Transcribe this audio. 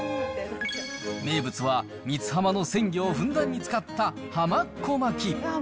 名物は、三津浜の鮮魚をふんだんに使った浜っ子巻き。